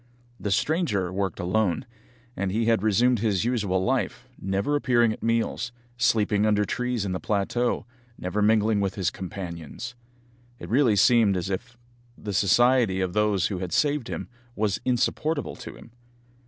The stranger worked alone, and he had resumed his usual life, never appearing at meals, sleeping under the trees in the plateau, never mingling with his companions. It really seemed as if the society of those who had saved him was insupportable to him!